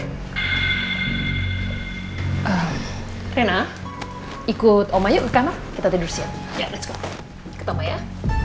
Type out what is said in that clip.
ehm reina ikut oma yuk ke kamar kita tidur siang ya let's go ikut oma ya